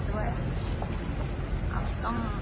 หอสักหน่อยไหม